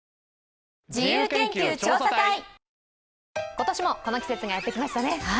今年もこの季節がやってきましたね。